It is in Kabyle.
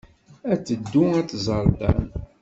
Ad teddu ad tẓer Dan.